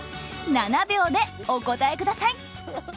７秒でお答えください。